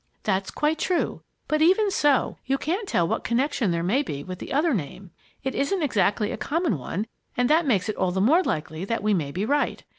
"That's quite true, but even so, you can't tell what connection there may be with the other name. It isn't exactly a common one, and that makes it all the more likely that we may be right.